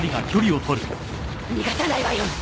逃がさないわよ